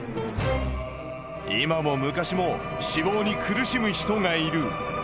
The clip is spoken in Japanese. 今も昔も脂肪に苦しむ人がいる。